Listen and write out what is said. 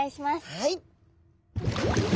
はい。